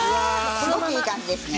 すごくいい感じですね。